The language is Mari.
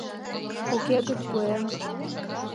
Уке гын, пуэм...